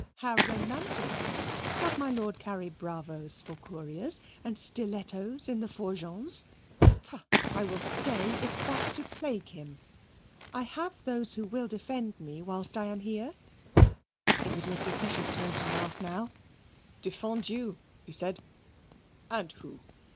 "How romantic! Does my lord carry bravos for couriers, and stilettos in the fourgons? Bah! I will stay, if but to plague him. I have those who will defend me whilst I am here." It was Monsieur Fiche's turn to laugh now. "Defend you," he said, "and who?